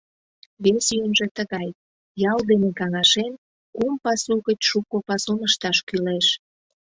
Вес йӧнжӧ тыгай: ял дене каҥашен, кум пасу гыч шуко пасум ышташ кӱлеш.